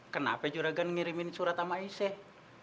kenapa juragan ngirimin surat sama iseh